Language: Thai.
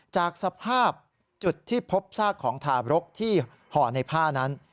จากสภาพจุดที่พบซากของทารกที่ห่อในผ้านั้น